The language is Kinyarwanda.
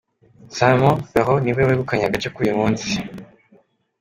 Simon Perraud niwe wegukanye agace k’uyu munsi.